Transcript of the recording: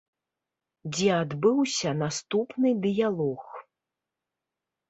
Дзе адбыўся наступны дыялог.